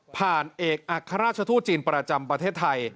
ผ่านเอกอัฆฆาราชทู้จีนประจำประเทศไทย